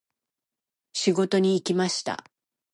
仕事に行きました。